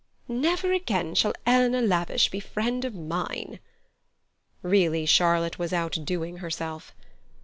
"Never again shall Eleanor Lavish be a friend of mine." Really, Charlotte was outdoing herself.